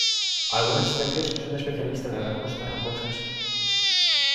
Algunas especies son especialistas de las costas rocosas.